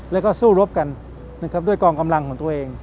และก็สู้รบกันด้วยกองกำลังของตัวเอง